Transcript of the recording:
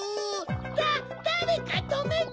「だれかとめて！」